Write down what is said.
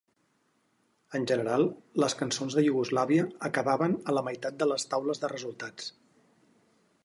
En general, les cançons de Iugoslàvia acabaven a la meitat de les taules de resultats.